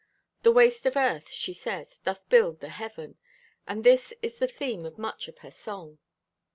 "The waste of earth," she says, "doth build the Heaven," and this is the theme of much of her song.